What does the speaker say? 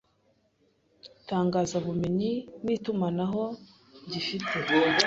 itangazabumenyi n itumanaho gifite